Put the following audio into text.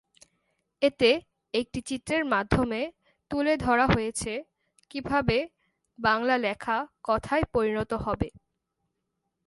এতে একটি চিত্রের মাধ্যমে তুলে ধরা হয়েছে কীভাবে বাংলা লেখা কথায় পরিণত হবে।